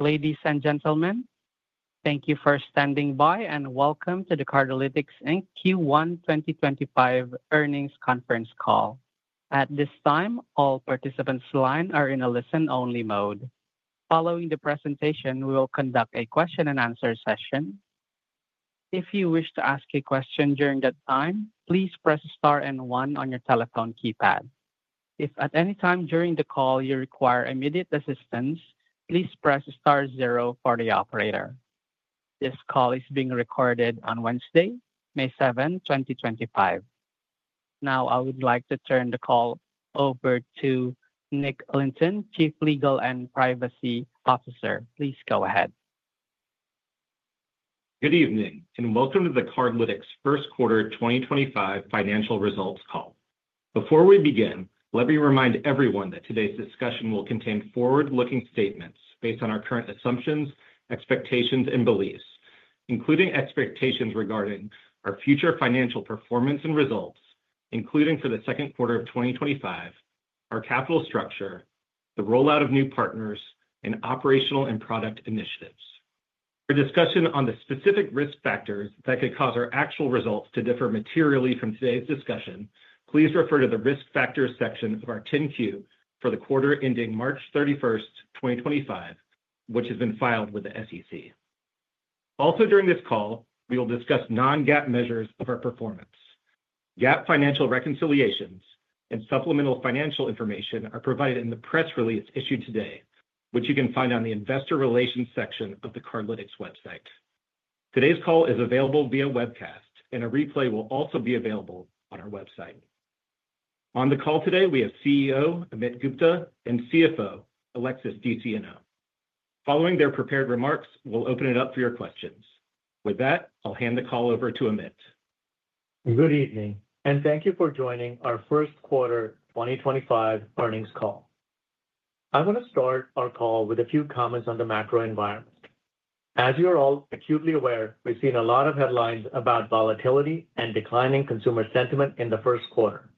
Ladies and gentlemen, thank you for standing by, and welcome to the Cardlytics Q1 2025 Earnings Conference Call. At this time, all participants' lines are in a listen only mode. Following the presentation, we will conduct a question and answer session. If you wish to ask a question during that time, please press star and one on your telephone keypad. If at any time during the call you require immediate assistance, please press star zero for the operator. This call is being recorded on Wednesday, May 7, 2025. Now, I would like to turn the call over to Nick Lynton, Chief Legal and Privacy Officer. Please go ahead. Good evening, and welcome to the Cardlytics First Quarter 2025 Financial Results Call. Before we begin, let me remind everyone that today's discussion will contain forward-looking statements based on our current assumptions, expectations, and beliefs, including expectations regarding our future financial performance and results, including for the second quarter of 2025, our capital structure, the rollout of new partners, and operational and product initiatives. For discussion on the specific risk factors that could cause our actual results to differ materially from today's discussion, please refer to the risk factors section of our 10-Q for the quarter ending March 31, 2025, which has been filed with the SEC. Also, during this call, we will discuss non-GAAP measures of our performance. GAAP financial reconciliations and supplemental financial information are provided in the press release issued today, which you can find on the investor relations section of the Cardlytics website. Today's call is available via webcast, and a replay will also be available on our website. On the call today, we have CEO Amit Gupta and CFO Alexis DeSieno. Following their prepared remarks, we'll open it up for your questions. With that, I'll hand the call over to Amit. Good evening, and thank you for joining our first quarter 2025 earnings call. I want to start our call with a few comments on the macro environment. As you are all acutely aware, we've seen a lot of headlines about volatility and declining consumer sentiment in the first quarter.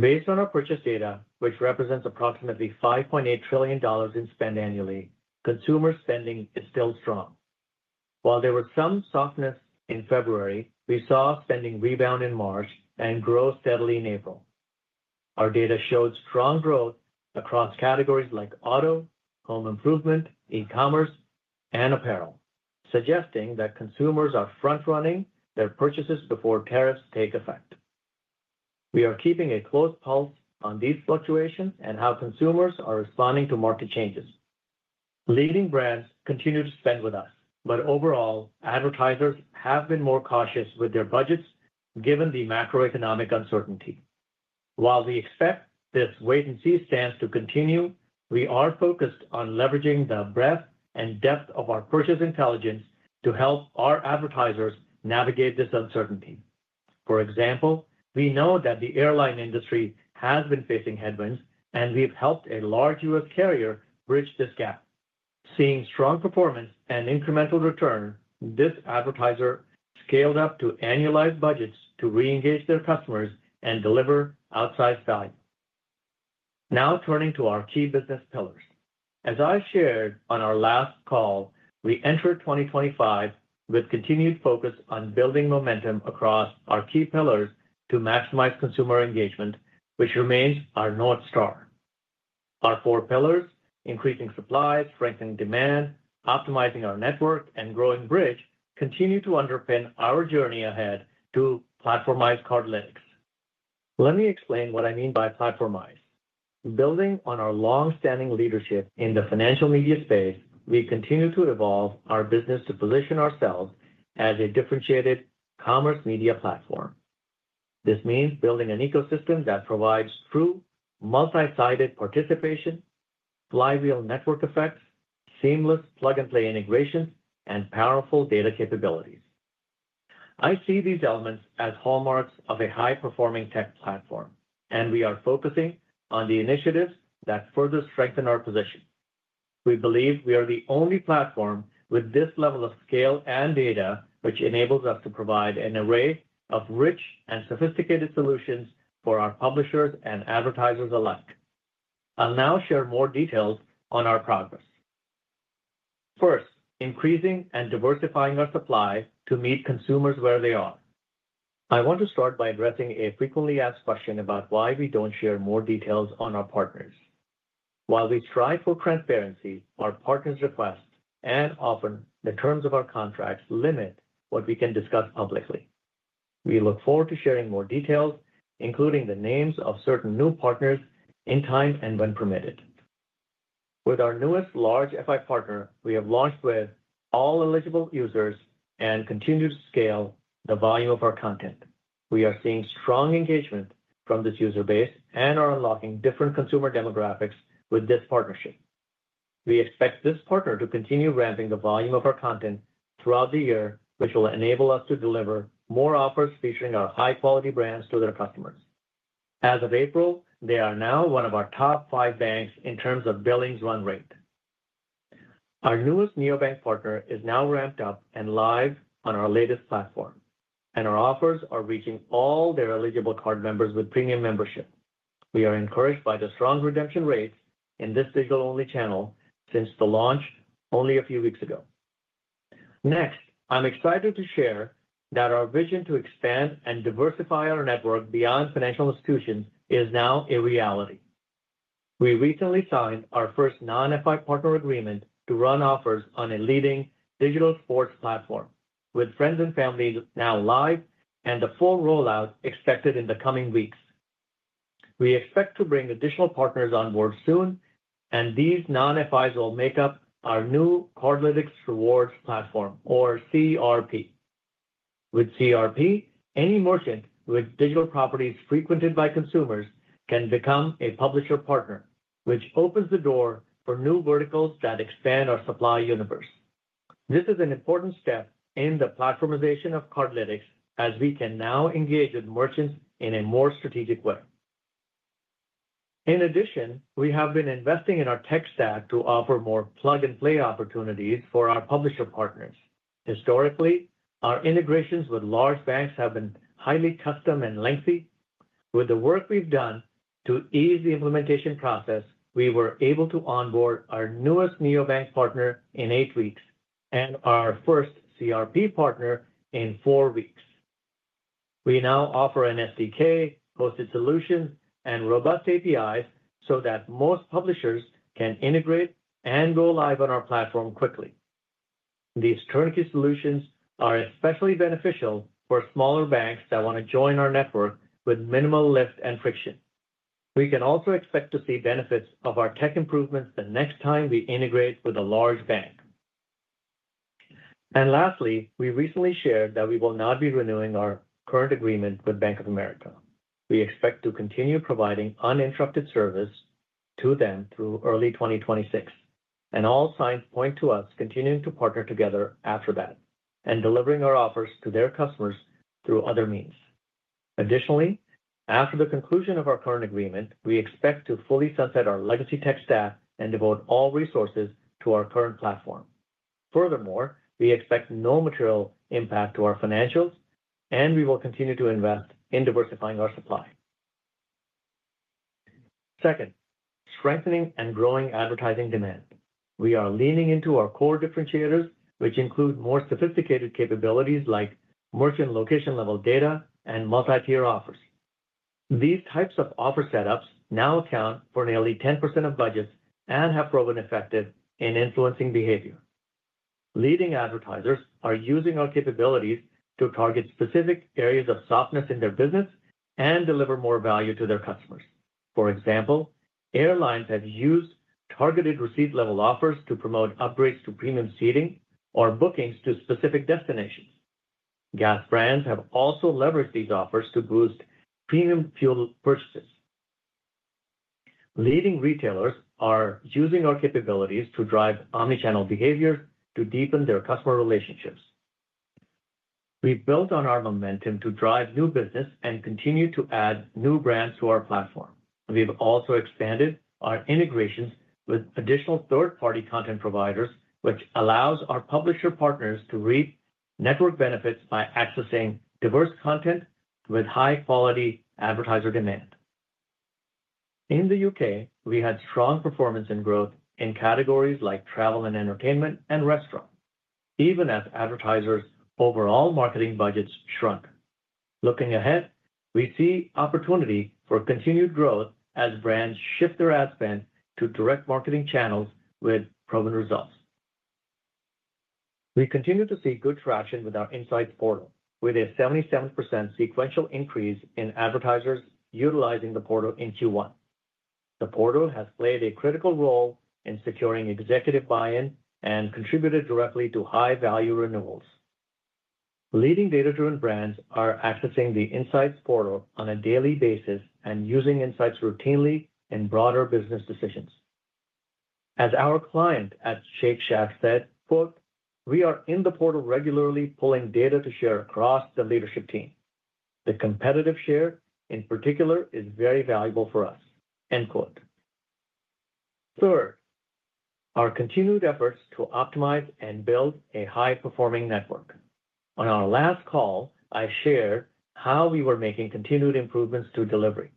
Based on our purchase data, which represents approximately $5.8 trillion in spend annually, consumer spending is still strong. While there was some softness in February, we saw spending rebound in March and grow steadily in April. Our data showed strong growth across categories like auto, home improvement, e-commerce, and apparel, suggesting that consumers are front-running their purchases before tariffs take effect. We are keeping a close pulse on these fluctuations and how consumers are responding to market changes. Leading brands continue to spend with us, but overall, advertisers have been more cautious with their budgets given the macroeconomic uncertainty. While we expect this wait-and-see stance to continue, we are focused on leveraging the breadth and depth of our purchase intelligence to help our advertisers navigate this uncertainty. For example, we know that the airline industry has been facing headwinds, and we've helped a large U.S. carrier Bridg this gap. Seeing strong performance and incremental return, this advertiser scaled up to annualized budgets to re-engage their customers and deliver outsized value. Now, turning to our key business pillars. As I shared on our last call, we enter 2025 with continued focus on building momentum across our key pillars to maximize consumer engagement, which remains our North Star. Our four pillars, increasing supply, strengthening demand, optimizing our network, and growing Bridg, continue to underpin our journey ahead to platformize Cardlytics. Let me explain what I mean by platformize. Building on our long-standing leadership in the financial media space, we continue to evolve our business to position ourselves as a differentiated commerce media platform. This means building an ecosystem that provides true multi-sided participation, flywheel network effects, seamless plug-and-play integrations, and powerful data capabilities. I see these elements as hallmarks of a high-performing tech platform, and we are focusing on the initiatives that further strengthen our position. We believe we are the only platform with this level of scale and data, which enables us to provide an array of rich and sophisticated solutions for our publishers and advertisers alike. I'll now share more details on our progress. First, increasing and diversifying our supply to meet consumers where they are. I want to start by addressing a frequently asked question about why we don't share more details on our partners. While we strive for transparency, our partners request, and often the terms of our contracts limit what we can discuss publicly. We look forward to sharing more details, including the names of certain new partners, in time and when permitted. With our newest large FI partner, we have launched with all eligible users and continue to scale the volume of our content. We are seeing strong engagement from this user base and are unlocking different consumer demographics with this partnership. We expect this partner to continue ramping the volume of our content throughout the year, which will enable us to deliver more offers featuring our high-quality brands to their customers. As of April, they are now one of our top five banks in terms of billing run rate. Our newest neobank partner is now ramped up and live on our latest platform, and our offers are reaching all their eligible card members with premium membership. We are encouraged by the strong redemption rates in this digital-only channel since the launch only a few weeks ago. Next, I'm excited to share that our vision to expand and diversify our network beyond financial institutions is now a reality. We recently signed our first non-FI partner agreement to run offers on a leading digital sports platform, with friends and family now live and the full rollout expected in the coming weeks. We expect to bring additional partners on board soon, and these non-FIs will make up our new Cardlytics Rewards platform, or CRP. With CRP, any merchant with digital properties frequented by consumers can become a publisher partner, which opens the door for new verticals that expand our supply universe. This is an important step in the platformization of Cardlytics, as we can now engage with merchants in a more strategic way. In addition, we have been investing in our tech stack to offer more plug-and-play opportunities for our publisher partners. Historically, our integrations with large banks have been highly custom and lengthy. With the work we have done to ease the implementation process, we were able to onboard our newest neobank partner in eight weeks and our first CRP partner in four weeks. We now offer an SDK, hosted solutions, and robust APIs so that most publishers can integrate and go live on our platform quickly. These turnkey solutions are especially beneficial for smaller banks that want to join our network with minimal lift and friction. We can also expect to see benefits of our tech improvements the next time we integrate with a large bank. Lastly, we recently shared that we will not be renewing our current agreement with Bank of America. We expect to continue providing uninterrupted service to them through early 2026, and all signs point to us continuing to partner together after that and delivering our offers to their customers through other means. Additionally, after the conclusion of our current agreement, we expect to fully sunset our legacy tech stack and devote all resources to our current platform. Furthermore, we expect no material impact to our financials, and we will continue to invest in diversifying our supply. Second, strengthening and growing advertising demand. We are leaning into our core differentiators, which include more sophisticated capabilities like merchant location-level data and multi-tier offers. These types of offer setups now account for nearly 10% of budgets and have proven effective in influencing behavior. Leading advertisers are using our capabilities to target specific areas of softness in their business and deliver more value to their customers. For example, airlines have used targeted receipt-level offers to promote upgrades to premium seating or bookings to specific destinations. Gas brands have also leveraged these offers to boost premium fuel purchases. Leading retailers are using our capabilities to drive omnichannel behavior to deepen their customer relationships. We've built on our momentum to drive new business and continue to add new brands to our platform. We've also expanded our integrations with additional third-party content providers, which allows our publisher partners to reap network benefits by accessing diverse content with high-quality advertiser demand. In the U.K., we had strong performance and growth in categories like travel and entertainment and restaurant, even as advertisers' overall marketing budgets shrunk. Looking ahead, we see opportunity for continued growth as brands shift their ad spend to direct marketing channels with proven results. We continue to see good traction with our insights portal, with a 77% sequential increase in advertisers utilizing the portal in Q1. The portal has played a critical role in securing executive buy-in and contributed directly to high-value renewals. Leading data-driven brands are accessing the insights portal on a daily basis and using insights routinely in broader business decisions. As our client at Shake Shack said, "We are in the portal regularly, pulling data to share across the leadership team. The competitive share, in particular, is very valuable for us." Third, our continued efforts to optimize and build a high-performing network. On our last call, I shared how we were making continued improvements to delivery.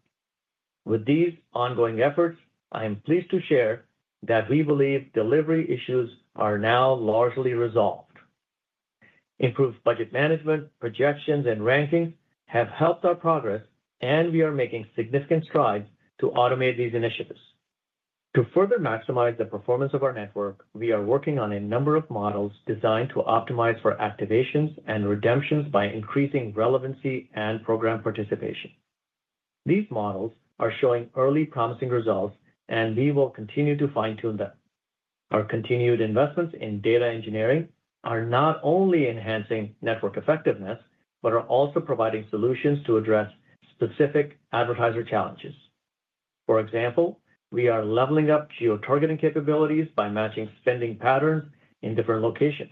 With these ongoing efforts, I am pleased to share that we believe delivery issues are now largely resolved. Improved budget management, projections, and rankings have helped our progress, and we are making significant strides to automate these initiatives. To further maximize the performance of our network, we are working on a number of models designed to optimize for activations and redemptions by increasing relevancy and program participation. These models are showing early promising results, and we will continue to fine-tune them. Our continued investments in data engineering are not only enhancing network effectiveness, but are also providing solutions to address specific advertiser challenges. For example, we are leveling up geotargeting capabilities by matching spending patterns in different locations,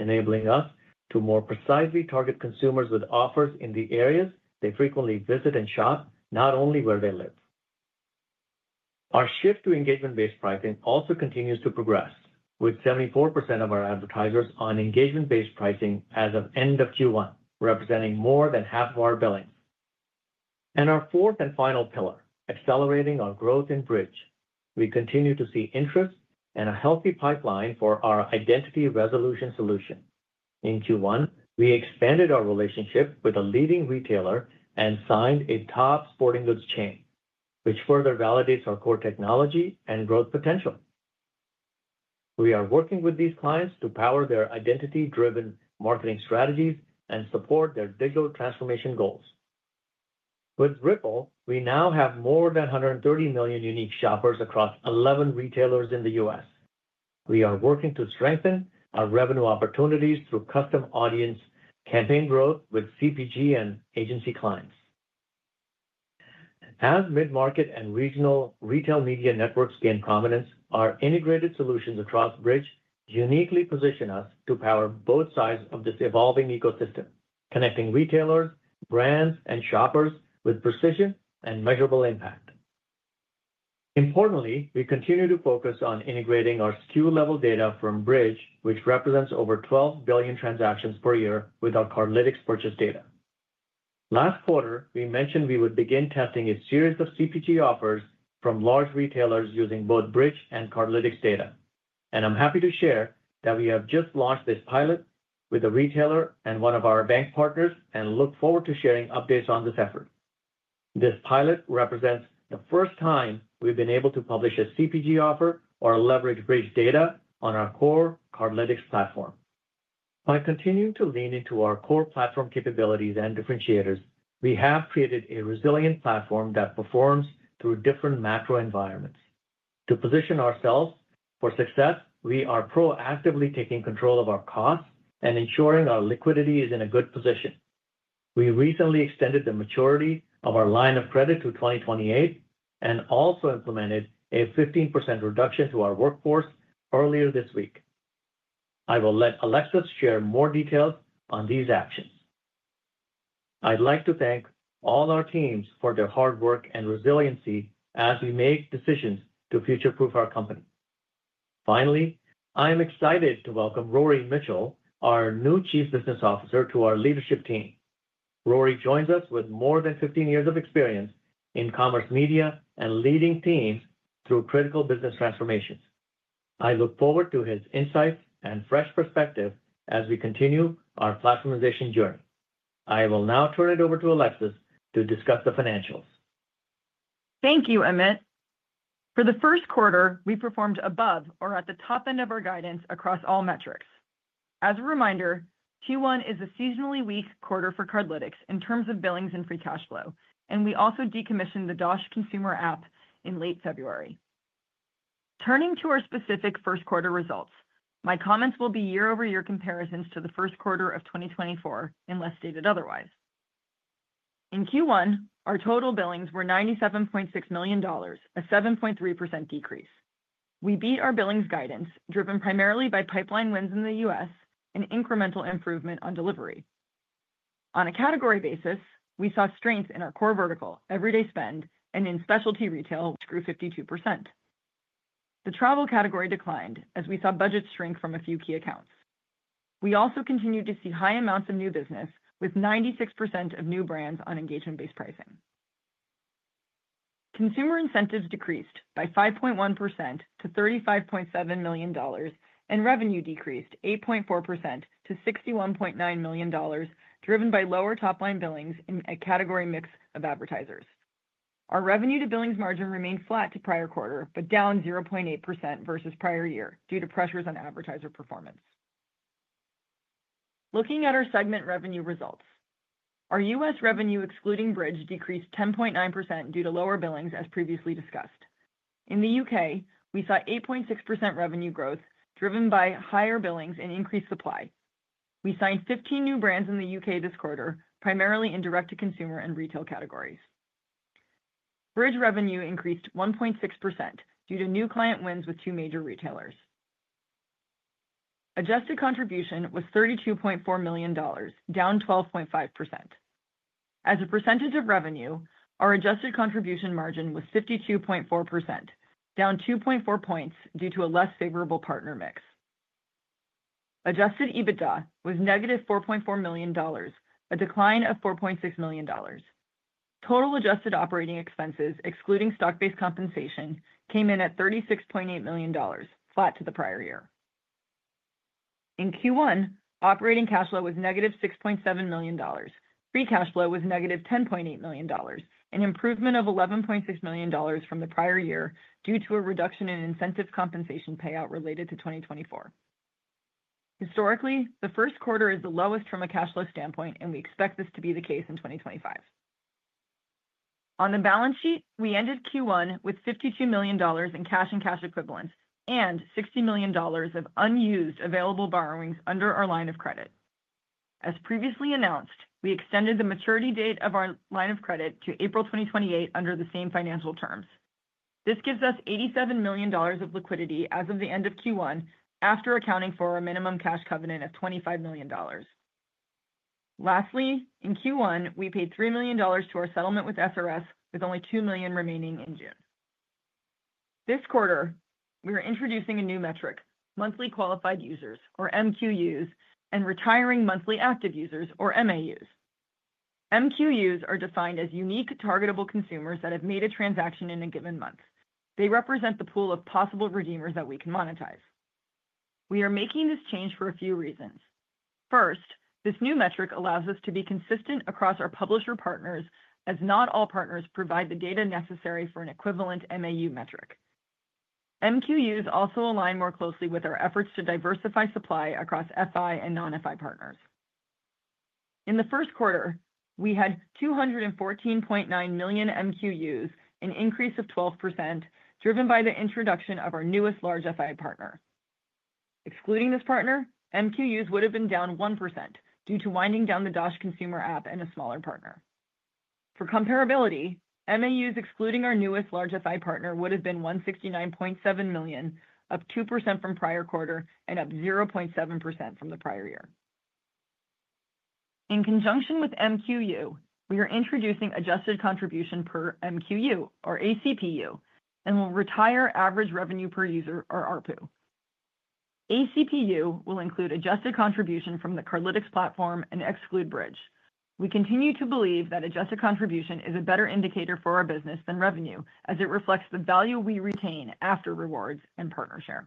enabling us to more precisely target consumers with offers in the areas they frequently visit and shop, not only where they live. Our shift to engagement-based pricing also continues to progress, with 74% of our advertisers on engagement-based pricing as of end of Q1, representing more than half of our billings. Our fourth and final pillar, accelerating our growth in Bridg, we continue to see interest and a healthy pipeline for our identity resolution solution. In Q1, we expanded our relationship with a leading retailer and signed a top sporting goods chain, which further validates our core technology and growth potential. We are working with these clients to power their identity-driven marketing strategies and support their digital transformation goals. With Ripple, we now have more than 130 million unique shoppers across 11 retailers in the U.S. We are working to strengthen our revenue opportunities through custom audience campaign growth with CPG and agency clients. As mid-market and regional retail media networks gain prominence, our integrated solutions across Bridg uniquely position us to power both sides of this evolving ecosystem, connecting retailers, brands, and shoppers with precision and measurable impact. Importantly, we continue to focus on integrating our SKU-level data from Bridg, which represents over 12 billion transactions per year with our Cardlytics purchase data. Last quarter, we mentioned we would begin testing a series of CPG offers from large retailers using both Bridg and Cardlytics data. I'm happy to share that we have just launched this pilot with a retailer and one of our bank partners and look forward to sharing updates on this effort. This pilot represents the first time we've been able to publish a CPG offer or leverage Bridg data on our core Cardlytics platform. By continuing to lean into our core platform capabilities and differentiators, we have created a resilient platform that performs through different macro environments. To position ourselves for success, we are proactively taking control of our costs and ensuring our liquidity is in a good position. We recently extended the maturity of our line of credit to 2028 and also implemented a 15% reduction to our workforce earlier this week. I will let Alexis share more details on these actions. I'd like to thank all our teams for their hard work and resiliency as we make decisions to future-proof our company. Finally, I am excited to welcome Rory Mitchell, our new Chief Business Officer, to our leadership team. Rory joins us with more than 15 years of experience in commerce media and leading teams through critical business transformations. I look forward to his insights and fresh perspective as we continue our platformization journey. I will now turn it over to Alexis to discuss the financials. Thank you, Amit. For the first quarter, we performed above or at the top end of our guidance across all metrics. As a reminder, Q1 is a seasonally weak quarter for Cardlytics in terms of billings and free cash flow, and we also decommissioned the Dosh consumer app in late February. Turning to our specific first quarter results, my comments will be year-over-year comparisons to the first quarter of 2024, unless stated otherwise. In Q1, our total billings were $97.6 million, a 7.3% decrease. We beat our billings guidance, driven primarily by pipeline wins in the U.S. and incremental improvement on delivery. On a category basis, we saw strength in our core vertical, everyday spend, and in specialty retail, which grew 52%. The travel category declined as we saw budgets shrink from a few key accounts. We also continued to see high amounts of new business, with 96% of new brands on engagement-based pricing. Consumer incentives decreased by 5.1% to $35.7 million, and revenue decreased 8.4% to $61.9 million, driven by lower top-line billings in a category mix of advertisers. Our revenue-to-billings margin remained flat to prior quarter, but down 0.8% versus prior year due to pressures on advertiser performance. Looking at our segment revenue results, our U.S. revenue excluding Bridg decreased 10.9% due to lower billings, as previously discussed. In the U.K., we saw 8.6% revenue growth, driven by higher billings and increased supply. We signed 15 new brands in the U.K. this quarter, primarily in direct-to-consumer and retail categories. Bridg revenue increased 1.6% due to new client wins with two major retailers. Adjusted contribution was $32.4 million, down 12.5%. As a percentage of revenue, our adjusted contribution margin was 52.4%, down 2.4 percentage points due to a less favorable partner mix. Adjusted EBITDA was negative $4.4 million, a decline of $4.6 million. Total adjusted operating expenses, excluding stock-based compensation, came in at $36.8 million, flat to the prior year. In Q1, operating cash flow was negative $6.7 million. Free cash flow was negative $10.8 million, an improvement of $11.6 million from the prior year due to a reduction in incentive compensation payout related to 2024. Historically, the first quarter is the lowest from a cash flow standpoint, and we expect this to be the case in 2025. On the balance sheet, we ended Q1 with $52 million in cash and cash equivalents and $60 million of unused available borrowings under our line of credit. As previously announced, we extended the maturity date of our line of credit to April 2028 under the same financial terms. This gives us $87 million of liquidity as of the end of Q1, after accounting for a minimum cash covenant of $25 million. Lastly, in Q1, we paid $3 million to our settlement with SRS, with only $2 million remaining in June. This quarter, we are introducing a new metric, monthly qualified users, or MQUs, and retiring monthly active users, or MAUs. MQUs are defined as unique targetable consumers that have made a transaction in a given month. They represent the pool of possible redeemers that we can monetize. We are making this change for a few reasons. First, this new metric allows us to be consistent across our publisher partners, as not all partners provide the data necessary for an equivalent MAU metric. MQUs also align more closely with our efforts to diversify supply across FI and non-FI partners. In the first quarter, we had 214.9 million MQUs, an increase of 12%, driven by the introduction of our newest large FI partner. Excluding this partner, MQUs would have been down 1% due to winding down the Dosh consumer app and a smaller partner. For comparability, MAUs excluding our newest large FI partner would have been 169.7 million, up 2% from prior quarter and up 0.7% from the prior year. In conjunction with MQU, we are introducing adjusted contribution per MQU, or ACPU, and will retire average revenue per user, or ARPU. ACPU will include adjusted contribution from the Cardlytics platform and exclude Bridg. We continue to believe that adjusted contribution is a better indicator for our business than revenue, as it reflects the value we retain after rewards and partnership.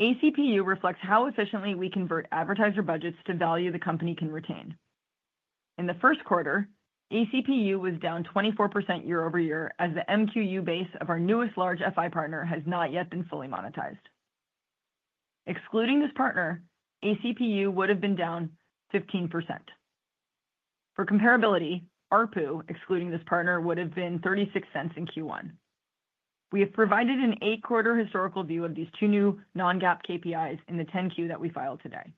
ACPU reflects how efficiently we convert advertiser budgets to value the company can retain. In the first quarter, ACPU was down 24% year over year, as the MQU base of our newest large FI partner has not yet been fully monetized. Excluding this partner, ACPU would have been down 15%. For comparability, ARPU, excluding this partner, would have been $0.36 in Q1. We have provided an eight-quarter historical view of these two new non-GAAP KPIs in the 10Q that we filed today.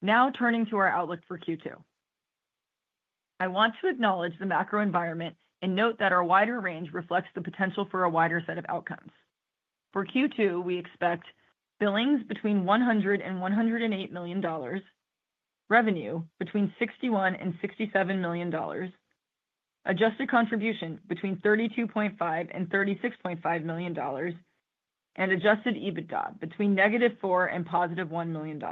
Now turning to our outlook for Q2, I want to acknowledge the macro environment and note that our wider range reflects the potential for a wider set of outcomes. For Q2, we expect billings between $100 and $108 million, revenue between $61 and $67 million, adjusted contribution between $32.5 and $36.5 million, and adjusted EBITDA between negative $4 and positive $1 million.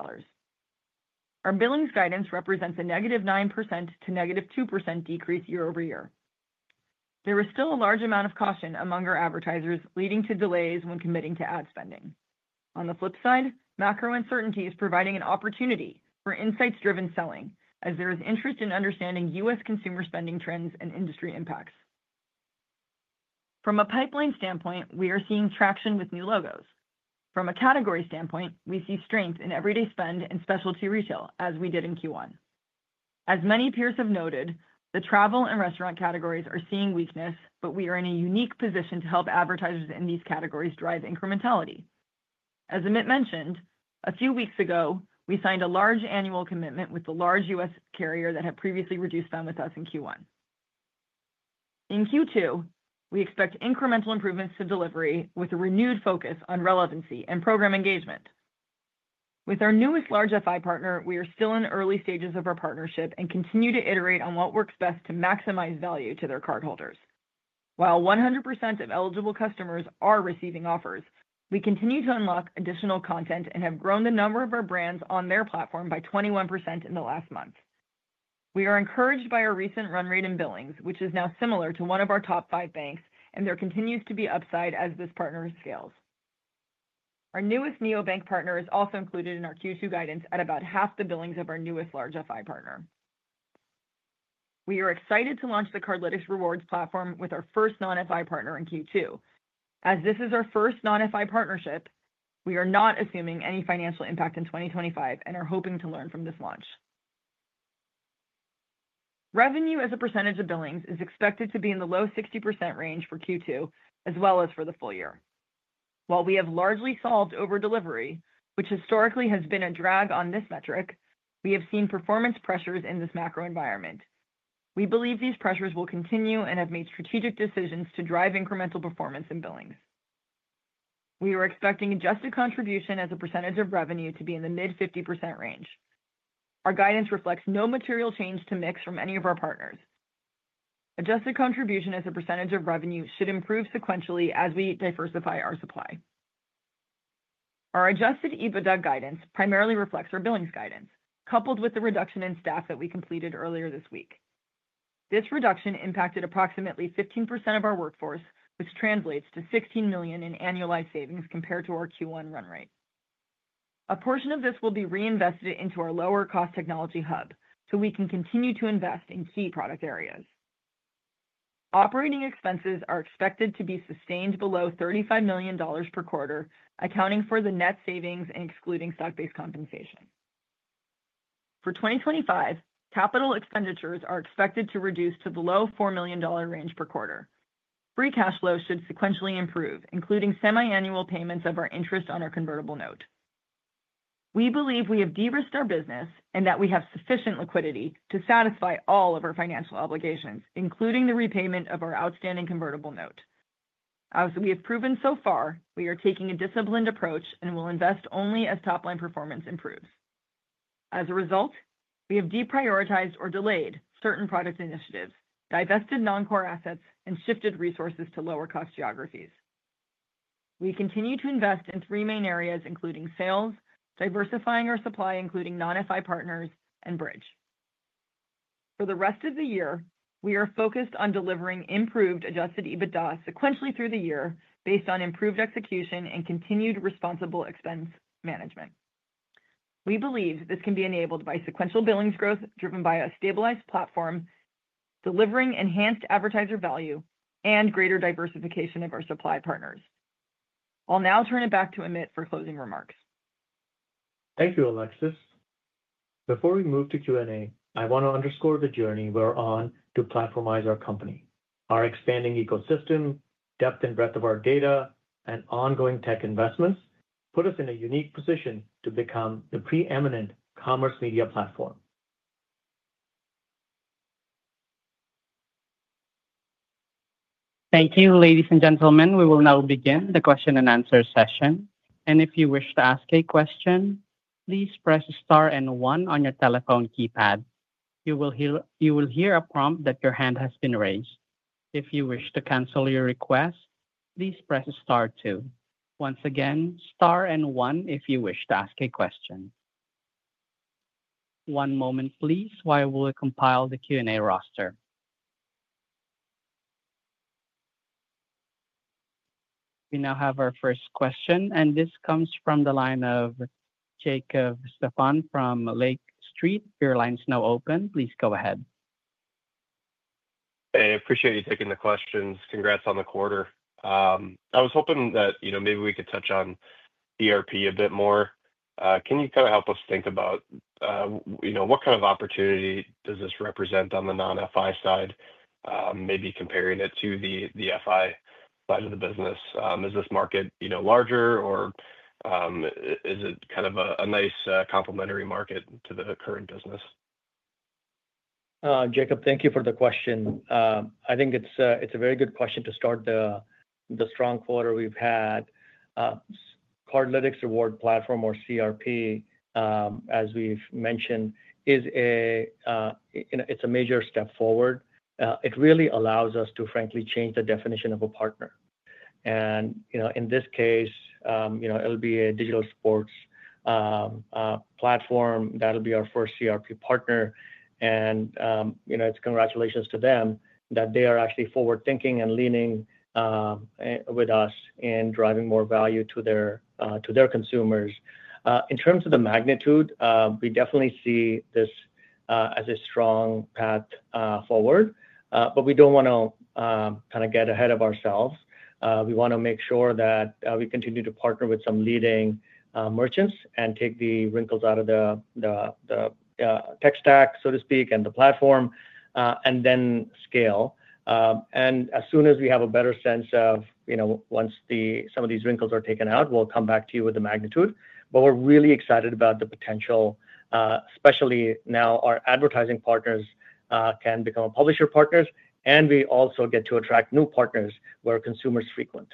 Our billings guidance represents a negative 9% to negative 2% decrease year-over-year. There is still a large amount of caution among our advertisers, leading to delays when committing to ad spending. On the flip side, macro uncertainty is providing an opportunity for insights-driven selling, as there is interest in understanding U.S. consumer spending trends and industry impacts. From a pipeline standpoint, we are seeing traction with new logos. From a category standpoint, we see strength in everyday spend and specialty retail, as we did in Q1. As many peers have noted, the travel and restaurant categories are seeing weakness, but we are in a unique position to help advertisers in these categories drive incrementality. As Amit mentioned, a few weeks ago, we signed a large annual commitment with the large U.S. carrier that had previously reduced spend with us in Q1. In Q2, we expect incremental improvements to delivery with a renewed focus on relevancy and program engagement. With our newest large FI partner, we are still in early stages of our partnership and continue to iterate on what works best to maximize value to their cardholders. While 100% of eligible customers are receiving offers, we continue to unlock additional content and have grown the number of our brands on their platform by 21% in the last month. We are encouraged by our recent run rate in billings, which is now similar to one of our top five banks, and there continues to be upside as this partner scales. Our newest neobank partner is also included in our Q2 guidance at about half the billings of our newest large FI partner. We are excited to launch the Cardlytics Rewards platform with our first non-FI partner in Q2. As this is our first non-FI partnership, we are not assuming any financial impact in 2025 and are hoping to learn from this launch. Revenue as a percentage of billings is expected to be in the low 60% range for Q2, as well as for the full year. While we have largely solved overdelivery, which historically has been a drag on this metric, we have seen performance pressures in this macro environment. We believe these pressures will continue and have made strategic decisions to drive incremental performance in billings. We are expecting adjusted contribution as a percentage of revenue to be in the mid-50% range. Our guidance reflects no material change to mix from any of our partners. Adjusted contribution as a percentage of revenue should improve sequentially as we diversify our supply. Our adjusted EBITDA guidance primarily reflects our billings guidance, coupled with the reduction in staff that we completed earlier this week. This reduction impacted approximately 15% of our workforce, which translates to $16 million in annualized savings compared to our Q1 run rate. A portion of this will be reinvested into our lower-cost technology hub so we can continue to invest in key product areas. Operating expenses are expected to be sustained below $35 million per quarter, accounting for the net savings and excluding stock-based compensation. For 2025, capital expenditures are expected to reduce to the low $4 million range per quarter. Free cash flow should sequentially improve, including semiannual payments of our interest on our convertible note. We believe we have de-risked our business and that we have sufficient liquidity to satisfy all of our financial obligations, including the repayment of our outstanding convertible note. As we have proven so far, we are taking a disciplined approach and will invest only as top-line performance improves. As a result, we have deprioritized or delayed certain product initiatives, divested non-core assets, and shifted resources to lower-cost geographies. We continue to invest in three main areas, including sales, diversifying our supply, including non-FI partners, and Bridg. For the rest of the year, we are focused on delivering improved adjusted EBITDA sequentially through the year based on improved execution and continued responsible expense management. We believe this can be enabled by sequential billings growth driven by a stabilized platform, delivering enhanced advertiser value, and greater diversification of our supply partners. I'll now turn it back to Amit for closing remarks. Thank you, Alexis. Before we move to Q and A, I want to underscore the journey we're on to platformize our company. Our expanding ecosystem, depth and breadth of our data, and ongoing tech investments put us in a unique position to become the preeminent commerce media platform. Thank you, ladies and gentlemen. We will now begin the question and answer session. If you wish to ask a question, please press star and one on your telephone keypad. You will hear a prompt that your hand has been raised. If you wish to cancel your request, please press star two. Once again, star and one if you wish to ask a question. One moment, please, while we compile the Q and A roster. We now have our first question, and this comes from the line of Jacob Stephan from Lake Street. Your line's now open. Please go ahead. Hey, appreciate you taking the questions. Congrats on the quarter. I was hoping that, you know, maybe we could touch on ERP a bit more. Can you kind of help us think about, you know, what kind of opportunity does this represent on the non-FI side, maybe comparing it to the FI side of the business? Is this market, you know, larger, or is it kind of a nice complementary market to the current business? Jacob, thank you for the question. I think it's a very good question to start the strong quarter we've had. Cardlytics Rewards platform, or CRP, as we've mentioned, is a, you know, it's a major step forward. It really allows us to, frankly, change the definition of a partner. You know, in this case, it'll be a digital sports platform that'll be our first CRP partner. You know, it's congratulations to them that they are actually forward-thinking and leaning with us in driving more value to their consumers. In terms of the magnitude, we definitely see this as a strong path forward, but we do not want to kind of get ahead of ourselves. We want to make sure that we continue to partner with some leading merchants and take the wrinkles out of the tech stack, so to speak, and the platform, and then scale. As soon as we have a better sense of, you know, once some of these wrinkles are taken out, we will come back to you with the magnitude. We are really excited about the potential, especially now our advertising partners can become publisher partners, and we also get to attract new partners where consumers frequent.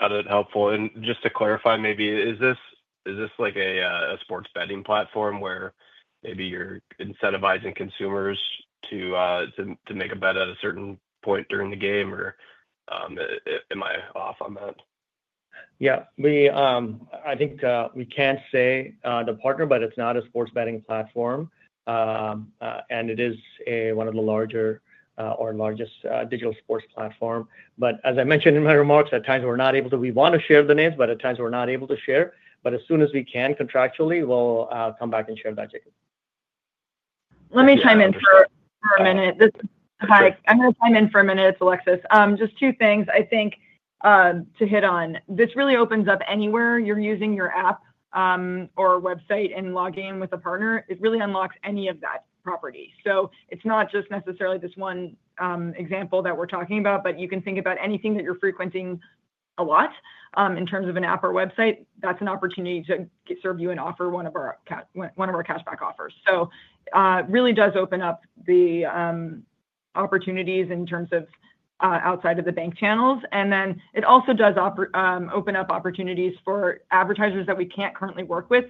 Got it. Helpful. Just to clarify, maybe, is this like a sports betting platform where maybe you are incentivizing consumers to make a bet at a certain point during the game, or am I off on that? Yeah. I think we can't say the partner, but it's not a sports betting platform. It is one of the larger, or largest digital sports platforms. As I mentioned in my remarks, at times we're not able to, we want to share the names, but at times we're not able to share. As soon as we can contractually, we'll come back and share that, Jacob. Let me chime in for a minute. Hi. I'm going to chime in for a minute, Alexis. Just two things I think to hit on. This really opens up anywhere you're using your app or website and logging in with a partner. It really unlocks any of that property. It's not just necessarily this one example that we're talking about, but you can think about anything that you're frequenting a lot in terms of an app or website. That's an opportunity to serve you an offer, one of our cashback offers. It really does open up the opportunities in terms of outside of the bank channels. It also does open up opportunities for advertisers that we can't currently work with.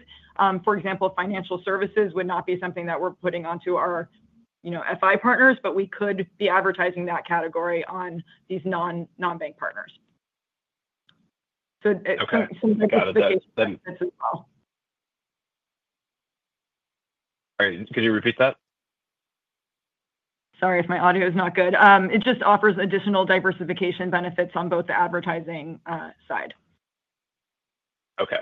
For example, financial services would not be something that we're putting onto our, you know, FI partners, but we could be advertising that category on these non-bank partners. It seems like it's the case as well. All right. Can you repeat that? Sorry if my audio is not good. It just offers additional diversification benefits on both the advertising side. Okay.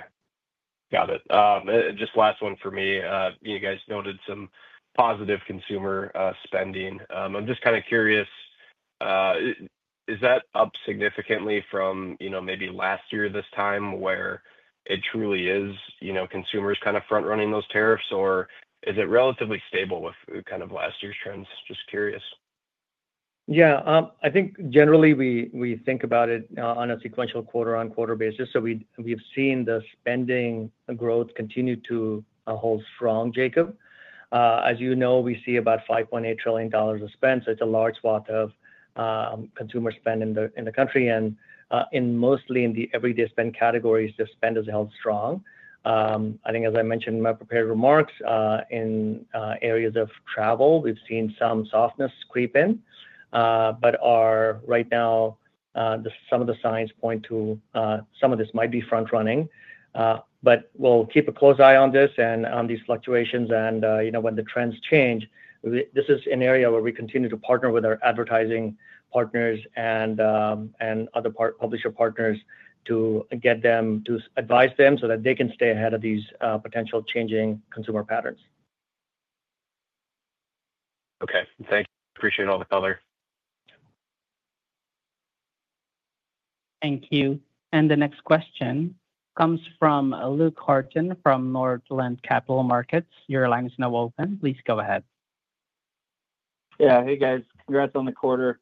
Got it. Just last one for me. You guys noted some positive consumer spending. I'm just kind of curious, is that up significantly from, you know, maybe last year this time where it truly is, you know, consumers kind of front-running those tariffs, or is it relatively stable with kind of last year's trends? Just curious. Yeah. I think generally we think about it on a sequential quarter-on-quarter basis. We've seen the spending growth continue to hold strong, Jacob. As you know, we see about $5.8 trillion of spend. It's a large swath of consumer spend in the country. Mostly in the everyday spend categories, the spend has held strong. I think, as I mentioned in my prepared remarks, in areas of travel, we've seen some softness creep in. Right now, some of the signs point to some of this might be front-running. We'll keep a close eye on this and on these fluctuations. You know, when the trends change, this is an area where we continue to partner with our advertising partners and other publisher partners to advise them so that they can stay ahead of these potential changing consumer patterns. Okay. Thank you. Appreciate all the color. Thank you. The next question comes from Luke Hardin from Northland Capital Markets. Your line is now open. Please go ahead. Yeah. Hey, guys. Congrats on the quarter.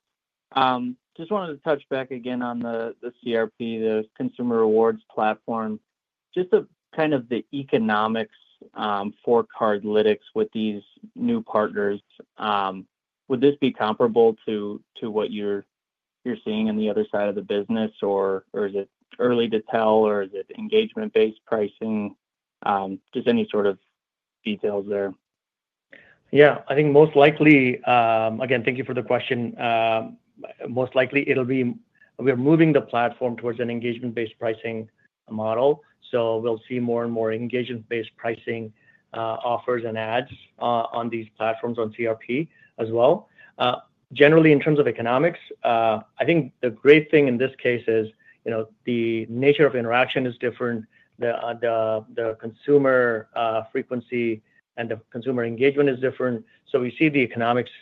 Just wanted to touch back again on the CRP, the Consumer Rewards platform. Just kind of the economics for Cardlytics with these new partners. Would this be comparable to what you're seeing on the other side of the business, or is it early to tell, or is it engagement-based pricing? Just any sort of details there. Yeah. I think most likely, again, thank you for the question. Most likely it'll be, we're moving the platform towards an engagement-based pricing model. We'll see more and more engagement-based pricing offers and ads on these platforms, on CRP as well. Generally, in terms of economics, I think the great thing in this case is, you know, the nature of interaction is different. The consumer frequency and the consumer engagement is different. We see the economics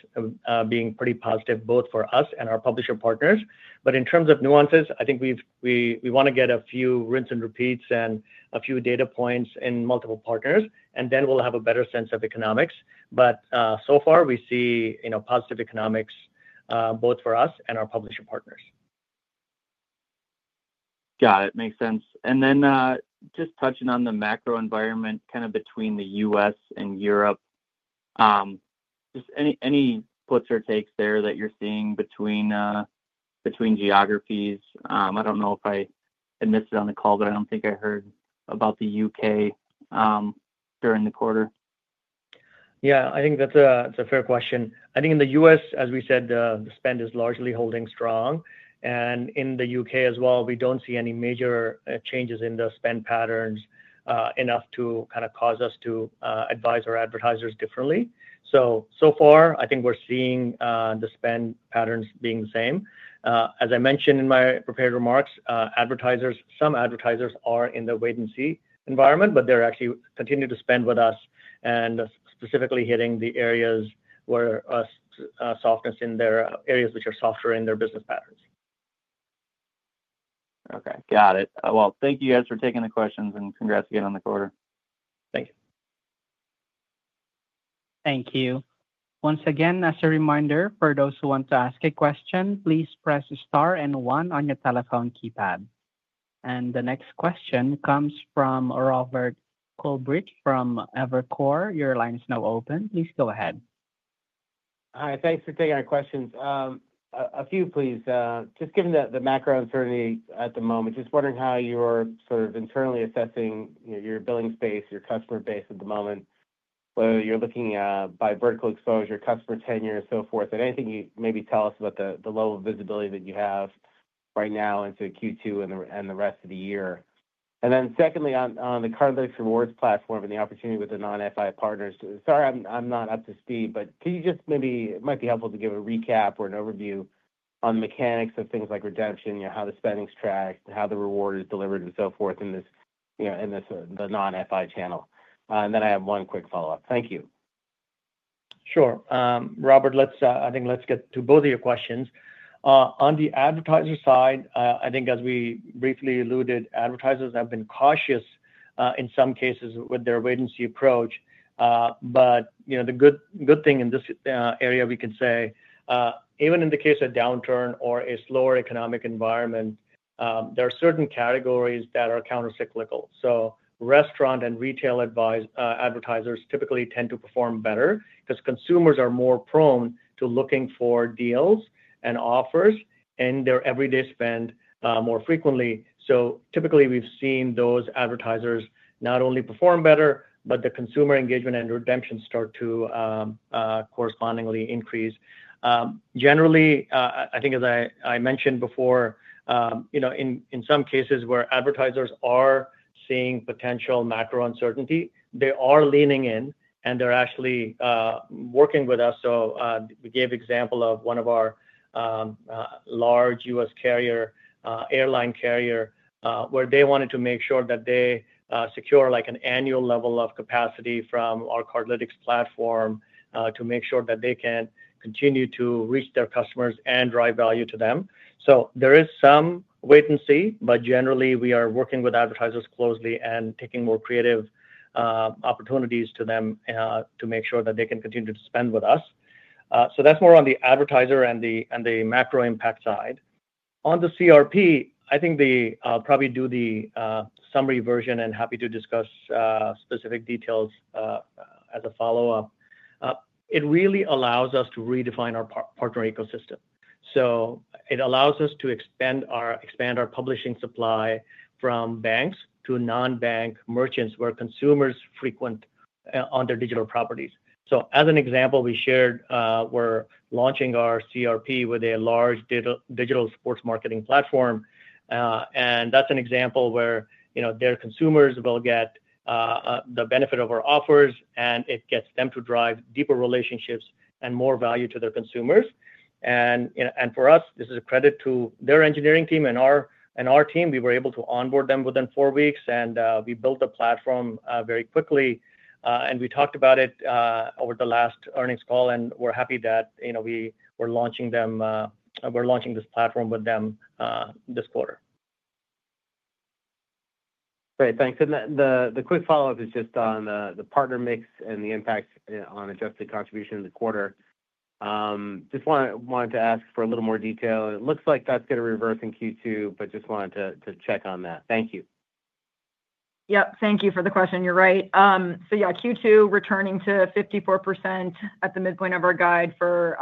being pretty positive both for us and our publisher partners. In terms of nuances, I think we want to get a few rinse and repeats and a few data points in multiple partners, and then we'll have a better sense of economics. So far, we see, you know, positive economics both for us and our publisher partners. Got it. Makes sense. And then just touching on the macro environment kind of between the U.S. and Europe, just any puts or takes there that you're seeing between geographies? I don't know if I missed it on the call, but I don't think I heard about the U.K. during the quarter. Yeah. I think that's a fair question. I think in the U.S., as we said, the spend is largely holding strong. And in the U.K. as well, we don't see any major changes in the spend patterns enough to kind of cause us to advise our advertisers differently. So far, I think we're seeing the spend patterns being the same. As I mentioned in my prepared remarks, some advertisers are in the wait-and-see environment, but they're actually continuing to spend with us and specifically hitting the areas where softness in their areas which are softer in their business patterns. Okay. Got it. Thank you guys for taking the questions and congrats again on the quarter. Thank you. Thank you. Once again, as a reminder, for those who want to ask a question, please press star and one on your telephone keypad. The next question comes from Robert Coulbreth from Evercore. Your line is now open. Please go ahead. Hi. Thanks for taking our questions. A few, please. Just given the macro uncertainty at the moment, just wondering how you're sort of internally assessing your billing space, your customer base at the moment, whether you're looking by vertical exposure, customer tenure, and so forth. Anything you maybe tell us about the level of visibility that you have right now into Q2 and the rest of the year. Secondly, on the Cardlytics Rewards platform and the opportunity with the non-FI partners. Sorry, I'm not up to speed, but could you just maybe, it might be helpful to give a recap or an overview on the mechanics of things like redemption, how the spending's tracked, how the reward is delivered, and so forth in the non-FI channel? I have one quick follow-up. Thank you. Sure. Robert, I think let's get to both of your questions. On the advertiser side, I think as we briefly alluded, advertisers have been cautious in some cases with their wait-and-see approach. You know, the good thing in this area, we can say, even in the case of a downturn or a slower economic environment, there are certain categories that are countercyclical. Restaurant and retail advertisers typically tend to perform better because consumers are more prone to looking for deals and offers in their everyday spend more frequently. Typically, we've seen those advertisers not only perform better, but the consumer engagement and redemption start to correspondingly increase. Generally, I think as I mentioned before, you know, in some cases where advertisers are seeing potential macro uncertainty, they are leaning in and they're actually working with us. We gave an example of one of our large US airline carriers where they wanted to make sure that they secure like an annual level of capacity from our Cardlytics platform to make sure that they can continue to reach their customers and drive value to them. There is some wait-and-see, but generally we are working with advertisers closely and taking more creative opportunities to them to make sure that they can continue to spend with us. That's more on the advertiser and the macro impact side. On the CRP, I think they probably do the summary version and happy to discuss specific details as a follow-up. It really allows us to redefine our partner ecosystem. It allows us to expand our publishing supply from banks to non-bank merchants where consumers frequent on their digital properties. As an example, we shared we're launching our CRP with a large digital sports marketing platform. That's an example where, you know, their consumers will get the benefit of our offers and it gets them to drive deeper relationships and more value to their consumers. For us, this is a credit to their engineering team and our team. We were able to onboard them within four weeks and we built the platform very quickly. We talked about it over the last earnings call and we're happy that, you know, we're launching this platform with them this quarter. Great. Thanks. The quick follow-up is just on the partner mix and the impact on adjusted contribution in the quarter. Just wanted to ask for a little more detail. It looks like that's going to reverse in Q2, but just wanted to check on that. Thank you. Yep. Thank you for the question. You're right. Q2 returning to 54% at the midpoint of our guide for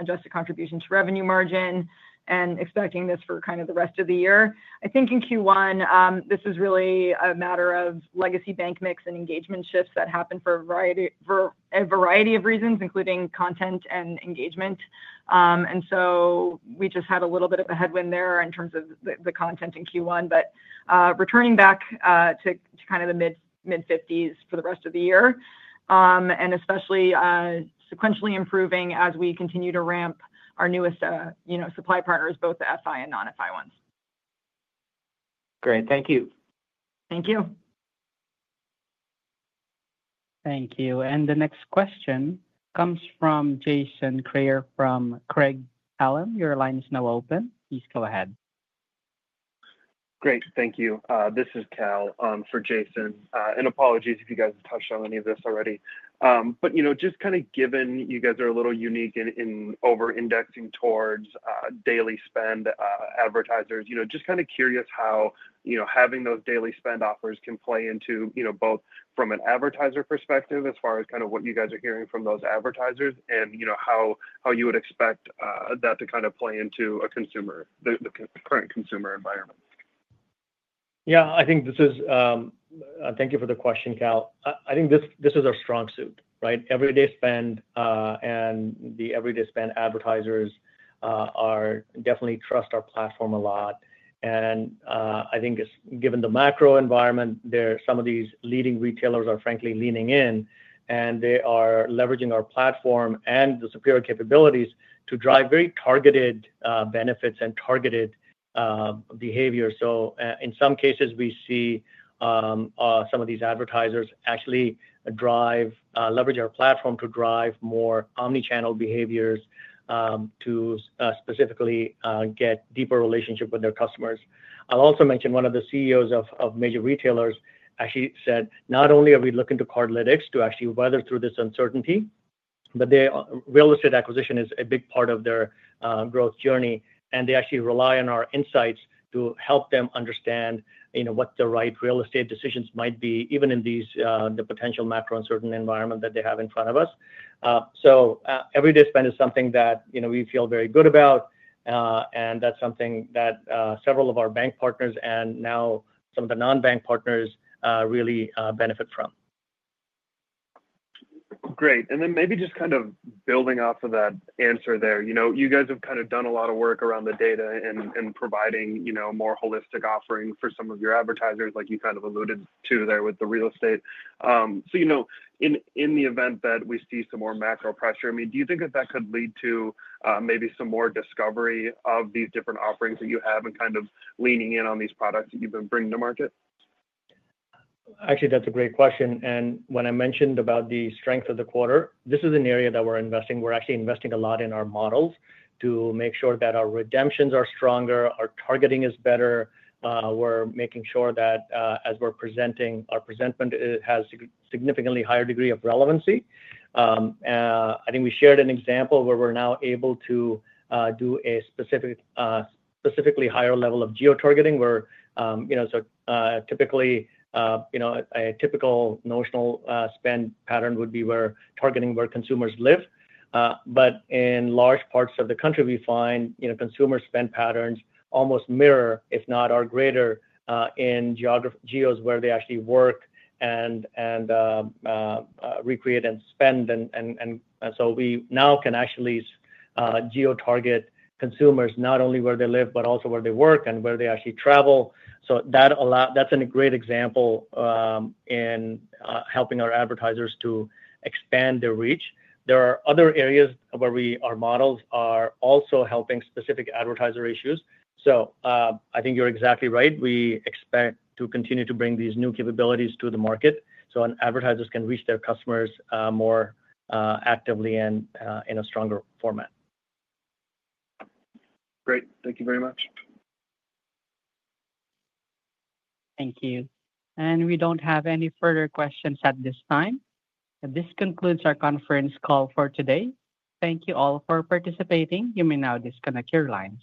adjusted contribution to revenue margin and expecting this for kind of the rest of the year. I think in Q1, this is really a matter of legacy bank mix and engagement shifts that happen for a variety of reasons, including content and engagement. We just had a little bit of a headwind there in terms of the content in Q1, but returning back to kind of the mid-50s for the rest of the year, and especially sequentially improving as we continue to ramp our newest supply partners, both the FI and non-FI ones. Great. Thank you. Thank you. The next question comes from Jason Kreyer from Craig-Hallum. Your line is now open. Please go ahead. Great. Thank you. This is Cal for Jason. And apologies if you guys have touched on any of this already. You know, just kind of given you guys are a little unique in over-indexing towards daily spend advertisers, you know, just kind of curious how, you know, having those daily spend offers can play into, you know, both from an advertiser perspective as far as kind of what you guys are hearing from those advertisers and, you know, how you would expect that to kind of play into a consumer, the current consumer environment. Yeah. I think this is, thank you for the question, Cal. I think this is our strong suit, right? Everyday spend and the everyday spend advertisers definitely trust our platform a lot. I think given the macro environment, some of these leading retailers are frankly leaning in and they are leveraging our platform and the superior capabilities to drive very targeted benefits and targeted behavior. In some cases, we see some of these advertisers actually leverage our platform to drive more omnichannel behaviors to specifically get deeper relationships with their customers. I'll also mention one of the CEOs of major retailers actually said, not only are we looking to Cardlytics to actually weather through this uncertainty, but real estate acquisition is a big part of their growth journey. They actually rely on our insights to help them understand, you know, what the right real estate decisions might be, even in the potential macro uncertain environment that they have in front of us. Everyday spend is something that, you know, we feel very good about. That's something that several of our bank partners and now some of the non-bank partners really benefit from. Great. Maybe just kind of building off of that answer there, you know, you guys have kind of done a lot of work around the data and providing, you know, a more holistic offering for some of your advertisers, like you kind of alluded to there with the real estate. In the event that we see some more macro pressure, I mean, do you think that that could lead to maybe some more discovery of these different offerings that you have and kind of leaning in on these products that you've been bringing to market? Actually, that's a great question. When I mentioned about the strength of the quarter, this is an area that we're investing. We're actually investing a lot in our models to make sure that our redemptions are stronger, our targeting is better. We're making sure that as we're presenting, our presentment has a significantly higher degree of relevancy. I think we shared an example where we're now able to do a specifically higher level of geotargeting where, you know, so typically, you know, a typical notional spend pattern would be where targeting where consumers live. In large parts of the country, we find, you know, consumer spend patterns almost mirror, if not are greater in geos where they actually work and recreate and spend. We now can actually geotarget consumers not only where they live, but also where they work and where they actually travel. That's a great example in helping our advertisers to expand their reach. There are other areas where our models are also helping specific advertiser issues. I think you're exactly right. We expect to continue to bring these new capabilities to the market so advertisers can reach their customers more actively and in a stronger format. Great. Thank you very much. Thank you. We do not have any further questions at this time. This concludes our conference call for today. Thank you all for participating. You may now disconnect your lines.